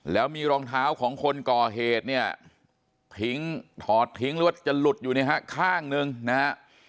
แล้วมีรองเท้าของคนก่อเหตุเนี่ยถอดทิ้งหรือว่าจะหลุดอยู่ข้างนึงนะครับ